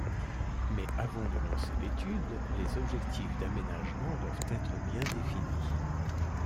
Mais avant de lancer l’étude, les objectifs d’aménagement doivent être bien définis.